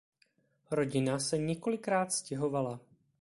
Rodina se několikrát stěhovala.